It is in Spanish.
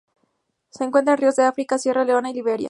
Se encuentran en ríos de África: Sierra Leona y Liberia.